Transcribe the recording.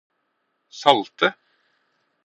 salte